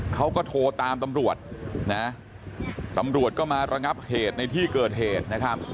เขาก็โทรตามตำรวจนะตำรวจก็มาระงับเหตุในที่เกิดเหตุนะครับ